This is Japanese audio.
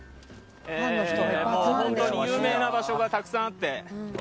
本当に有名な場所がたくさんあって。